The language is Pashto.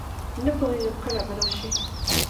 نه پوهېږم کله به راشي.